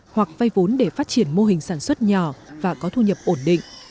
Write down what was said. hoặc vay vốn để phát triển mô hình sản xuất nhỏ và có thu nhập ổn định